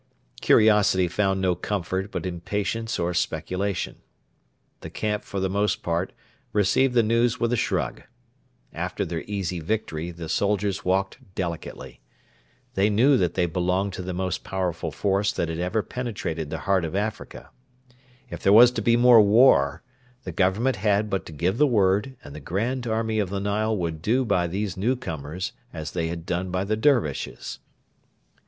Curiosity found no comfort but in patience or speculation. The camp for the most part received the news with a shrug. After their easy victory the soldiers walked delicately. They knew that they belonged to the most powerful force that had ever penetrated the heart of Africa. If there was to be more war, the Government had but to give the word, and the Grand Army of the Nile would do by these newcomers as they had done by the Dervishes.